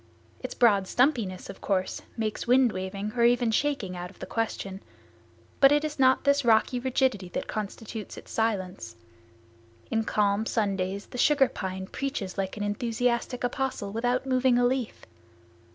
Its broad stumpiness, of course, makes wind waving or even shaking out of the question, but it is not this rocky rigidity that constitutes its silence. In calm, sun days the sugar pine preaches like an enthusiastic apostle without moving a leaf.